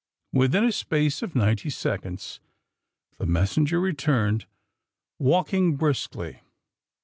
Within a space of ninety seconds the messen ger returned, walking briskly.